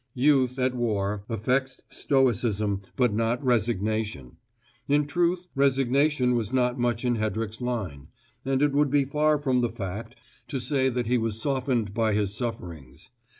Youth, at war, affects stoicism but not resignation: in truth, resignation was not much in Hedrick's line, and it would be far from the fact to say that he was softened by his sufferings.